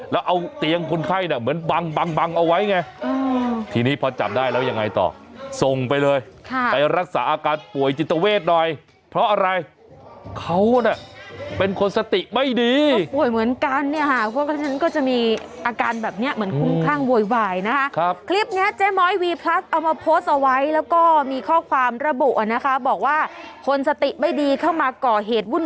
แล้วเกิดเหตุช่วงกลางดึกคุณชนะครับตีหนึ่งสิบนาทีของวันที่ยี่สิบแปด